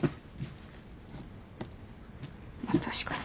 まあ確かに。